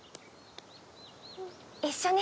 一緒に。